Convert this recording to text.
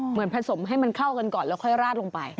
เหมือนผสมให้มันเข้ากันก่อนแล้วค่อยราดลงไป